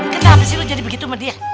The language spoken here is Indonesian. kenapa sih lo jadi begitu sama dia